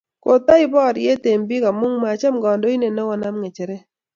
Ko tai boriet eng biik amu macham kandoindet no konam ngecheret